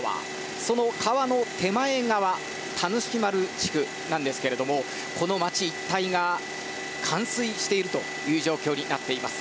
その川の手前側田主丸地区なんですけれどもこの町一帯が冠水している状況になっています。